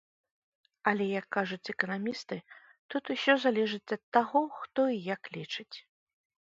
Але, як кажуць эканамісты, тут усё залежыць ад таго, хто і як лічыць.